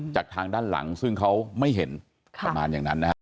จากทางด้านหลังซึ่งเขาไม่เห็นประมาณอย่างนั้นนะฮะ